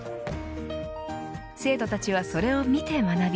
生徒たちはそれを見て学び